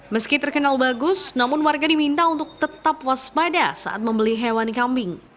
meski terkenal bagus namun warga diminta untuk tetap waspada saat membeli hewan kambing